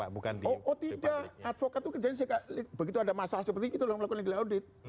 advokat itu kerjanya segala begitu ada masalah seperti itu lalu melakukan audit